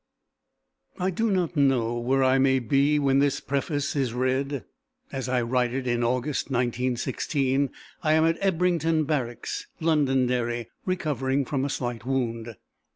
I do not know where I may be when this preface is read. As I write it in August 1916, I am at Ebrington Barracks, Londonderry, recovering from a slight wound.